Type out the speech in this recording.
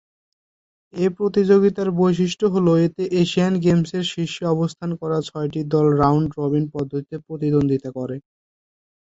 এ প্রতিযোগিতার বৈশিষ্ট্য হল এতে এশিয়ান গেমসের শীর্ষে অবস্থান করা ছয়টি দল রাউন্ড রবিন পদ্ধতিতে প্রতিদ্বন্দ্বিতা করে।